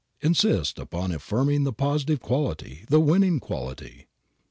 Insist upon affirming the opposite quality, the winning quality.